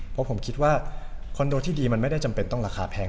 เพราะผมคิดว่าคอนโดที่ดีมันไม่ได้จำเป็นต้องราคาแพง